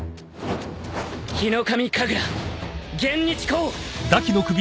・ヒノカミ神楽幻日虹。